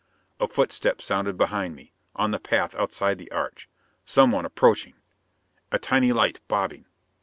A footstep sounded behind me, on the path outside the arch. Someone approaching! A tiny light bobbing!